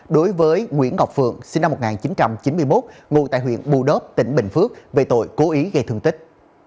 đối với nguyễn ngọc phượng sinh năm một nghìn chín trăm chín mươi một ngụ tại huyện bù đớp tỉnh bình phước về tội cố ý gây thương tích